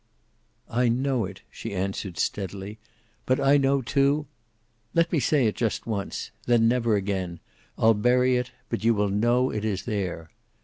"I know it," she answered, steadily. "But I know, too " "Let me say it just once. Then never again. I'll bury it, but you will know it is there.